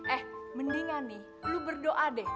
eh mendingan nih lu berdoa deh